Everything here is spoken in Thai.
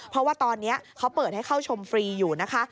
เพราะว่าตอนนี้เขาเปิดให้เข้าชมฟรีอยู่นะคะ